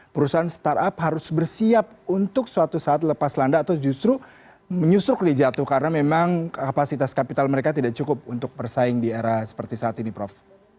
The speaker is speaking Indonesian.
perusahaan startup harus bersiap untuk suatu saat lepas landa atau justru menyusuk nih jatuh karena memang kapasitas kapital mereka tidak cukup untuk bersaing di era seperti saat ini prof